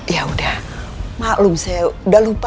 ya udah maklum saya udah lupa